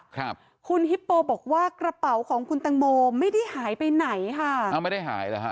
ครับคุณฮิปโปบอกว่ากระเป๋าของคุณตังโมไม่ได้หายไปไหนค่ะอ้าวไม่ได้หายเหรอฮะ